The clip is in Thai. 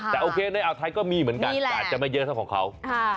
แต่โอเคในอ่าวไทยก็มีเหมือนกันอาจจะไม่เยอะเท่าของเขา